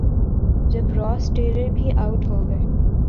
جب Ross Taylor بھی out ہو گئے۔